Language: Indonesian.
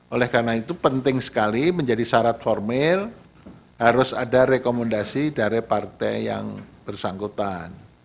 oleh karena itu penting sekali menjadi syarat formil harus ada rekomendasi dari partai yang bersangkutan